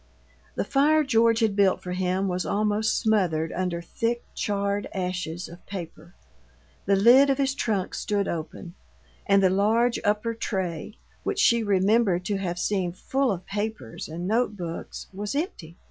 The fire George had built for him was almost smothered under thick, charred ashes of paper. The lid of his trunk stood open, and the large upper tray, which she remembered to have seen full of papers and note books, was empty.